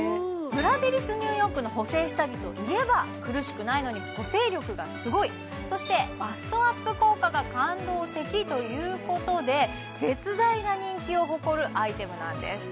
ブラデリスニューヨークの補整下着といえば苦しくないのに補整力がすごいそしてバストアップ効果が感動的ということで絶大な人気を誇るアイテムなんです